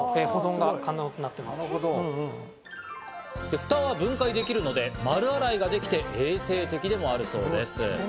蓋は分解できるので、丸洗いができて衛生的でもあるそうです。